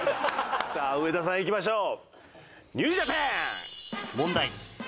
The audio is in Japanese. さあ上田さんいきましょう。